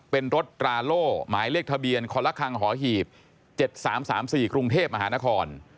เป็นรถตราโล่หมายเลขทะเบียนคลคังหอหีบ๗๓๓๔กรุงเทพมหานคร